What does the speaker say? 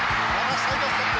サイドステップ。